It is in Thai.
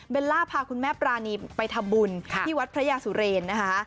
ล่าพาคุณแม่ปรานีไปทำบุญที่วัดพระยาสุเรนนะคะ